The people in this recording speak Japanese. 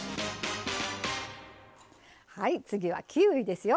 次はキウイですよ。